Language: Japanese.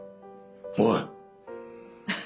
おい。